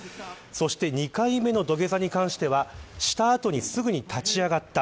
そして２回目の土下座に関してはした後に、すぐに立ち上がった。